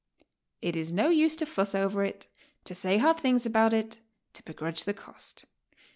It is no use to fus s over it, to say hard things about it, to begrudge the cost.